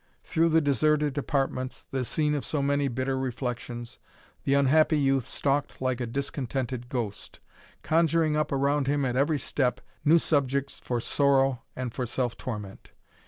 Through the deserted apartments, the scene of so many bitter reflections, the unhappy youth stalked like a discontented ghost, conjuring up around him at every step new subjects for sorrow and for self torment.